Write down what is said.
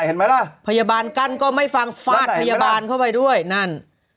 เห็นไหมล่ะพยาบาลกั้นก็ไม่ฟังฟาดพยาบาลเข้าไปด้วยนั่น